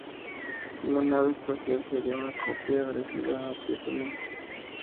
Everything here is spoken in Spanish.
La nave espacial sería una copia parecida a "Hitomi".